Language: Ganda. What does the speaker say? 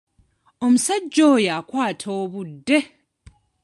Omusajja oya akwata obudde.